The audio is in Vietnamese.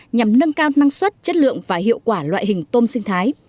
nhằm nâng cao năng suất chất lượng và hiệu quả loại hình tôm sinh thái